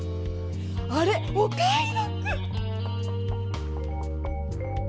あれ！お買いどく！